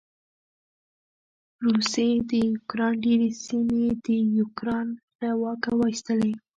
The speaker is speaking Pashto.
روسې د يوکراین ډېرې سېمې د یوکراين له واکه واېستلې.